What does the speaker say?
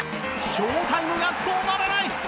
ショータイムが止まらない！